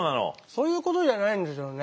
そういうことじゃないんですよね。